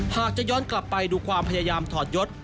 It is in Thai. หากจะย้อนกลับไปดูความพยายามถอดยศ